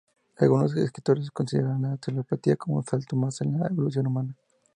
Algunos escritores consideran la telepatía como un salto más en la evolución humana.